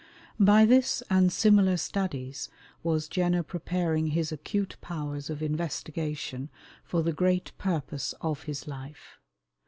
By this and similar studies was Jenner preparing his acute powers of investigation for the great purpose of his life.